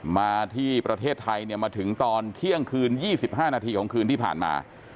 มาที่ประเทศไทยเนี่ยมาถึงตอนเที่ยงคืน๒๕นาทีของคืนที่ผ่านมา